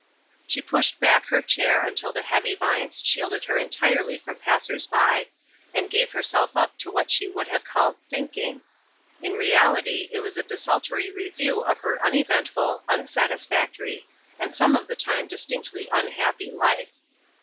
She pushed back her chair until the heavy vines shielded her entirely from passers by, and gave herself up to what she would have called thinking. In reality it was a desultory review of her uneventful, unsatisfactory, and some of the time distinctly unhappy life.